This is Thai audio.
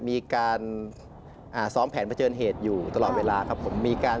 มีการซ้อมแผนเผชิญเหตุอยู่ตลอดเวลาครับผมมีการ